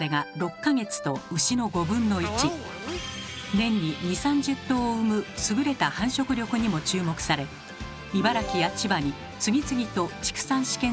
年に２０３０頭を産む優れた繁殖力にも注目され茨城や千葉に次々と畜産試験場が建てられました。